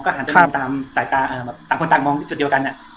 ก็หันตามคนต่างมองจุดเดียวกัน